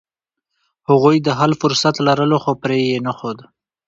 هغوی د حل فرصت لرلو، خو پرې یې نښود.